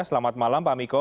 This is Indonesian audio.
selamat malam pak miko